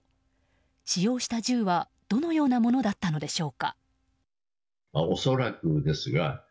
使用した銃はどのようなものだったのでしょう。